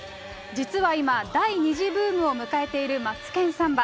実は今、第２次ブームを迎えているマツケンサンバ。